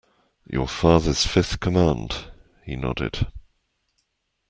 Your father's fifth command, he nodded.